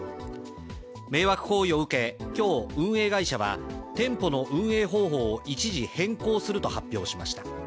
迷惑行為を受け、今日、運営会社は店舗の運営方法を一時、変更すると発表しました。